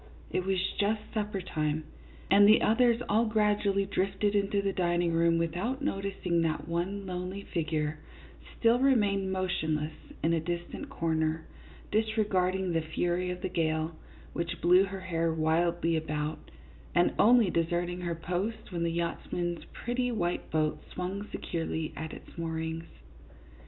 It was just supper time, and the others all gradually drifted into the dining room without noticing that one lonely figure still remained motionless in a dis tant corner, disregarding the fury of the gale, which blew her hair wildly about, and only deserting her post when the yachtsman's pretty white boat swung securely at its moorings.